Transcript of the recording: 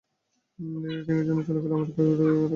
লীনা ট্রেনিংয়ের জন্য চলে গেল আমেরিকায় ওরই আরেক কলিগের সঙ্গে।